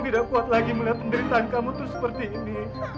tidak kuat lagi melihat penderitaan kamu tuh seperti ini